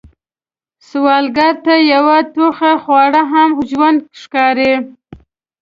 سوالګر ته یو ټوقی خواړه هم ژوند ښکاري